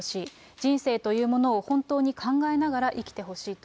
人生というものを本当に考えながら生きてほしいと。